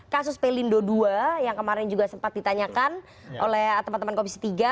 kasus pelindo ii yang kemarin juga sempat ditanyakan oleh teman teman komisi tiga